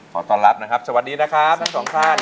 ขอต้อนรับนะครับสวัสดีนะครับทั้งสองท่าน